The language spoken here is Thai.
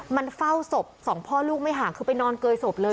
มันเฝ้าศพสองพ่อลูกไม่ห่างคือไปนอนเกยศพเลย